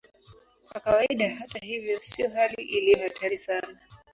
Kwa kawaida, hata hivyo, sio hali iliyo hatari sana.